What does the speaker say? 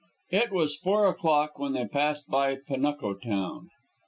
It was four o'clock when they passed by Panuco Town.